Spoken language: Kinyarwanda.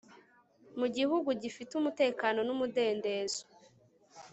mu gihugu gifite umutekano n'umudendezo